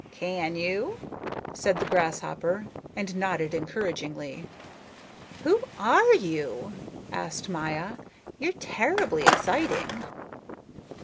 "Can you?" said the grasshopper, and nodded encouragingly. "Who are you?" asked Maya. "You're terribly exciting."